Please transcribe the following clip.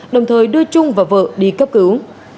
đồng thời đưa trung và vợ đi cấp cứu